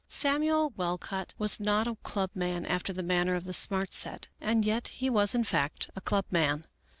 Samuel Walcott was not a club man after the manner of the Smart Set, and yet he was in fact a club man.